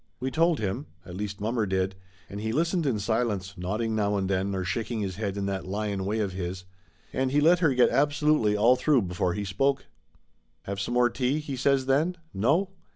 We told him. At least mommer did, and he listened in silence, nodding now and then, or shaking his head in that lion way of his. And he let her get absolutely all through before he spoke. "Have some more tea?" he says then. "No?